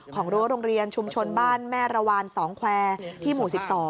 รั้วโรงเรียนชุมชนบ้านแม่ระวาน๒แควร์ที่หมู่๑๒